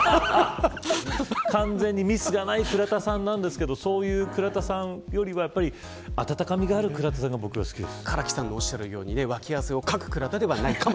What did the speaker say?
完全にミスがない倉田さんなんですけどそういう倉田さんよりはやっぱり、温かみのある倉田さんが好きです。